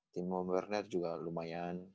timo werner juga lumayan